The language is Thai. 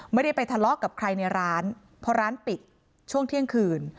ไม่ได้ไปทะเลาะกับใครในร้านเพราะร้านปิดช่วงเที่ยงคืน